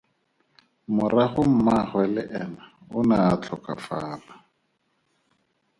Morago mmaagwe le ena o ne a tlhokafala.